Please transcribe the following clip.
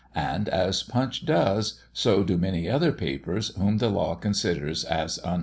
And as Punch does, so do many other papers, whom the law considers as unpolitical.